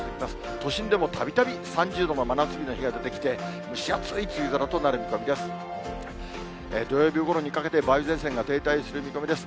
都心でもたびたび３０度の真夏日の日が出てきて、蒸し暑い梅雨空となる見込みです。